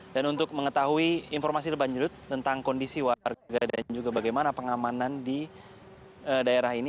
untuk mengetahui informasi lebih lanjut tentang kondisi warga dan juga bagaimana pengamanan di daerah ini